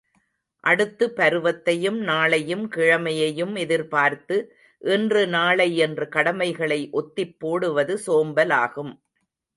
அடுத்து பருவத்தையும் நாளையும் கிழமையையும் எதிர்பார்த்து இன்று நாளை என்று கடமைகளை ஒத்திப்போடுவது சோம்பலாகும்.